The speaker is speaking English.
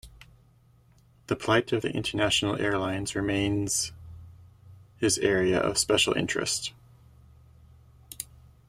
The plight of the international airlines remains his area of special interest.